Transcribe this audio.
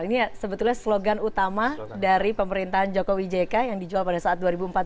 ini sebetulnya slogan utama dari pemerintahan jokowi jk yang dijual pada saat dua ribu empat belas